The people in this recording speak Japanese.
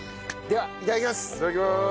ではいただきます！